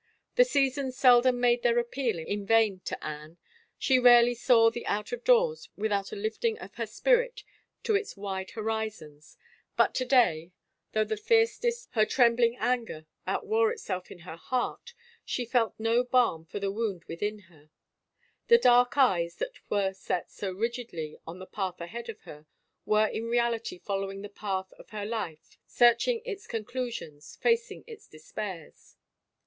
The seasons seldom made their appeal in vain to Anne; she rarely saw the out of doors without a lifting of her spirit to its wide horizons, but to day, though the fiercest of lOI THE FAVOR OF KINGS her trembling anger outwore itself in her heart, she felt no balm foi^ the wound within her. The dark eyes that were set so rigidly on the path ahead of her were in reality following the path of her life, searching its con clusions, facing its despairs.